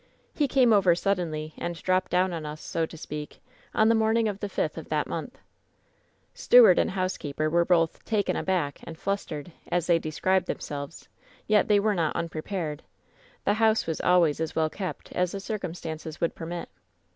"He came over suddenly and dropped down on us, so to speak, on the morning of the fifth of that month. '^Steward and housekeeper were both 'takoi aback' 148 WHEN SHADOWS DIE and ^flustered/ as they described themselves; yet they were not unprepared. The house was always as well kept as the circumstances would permit.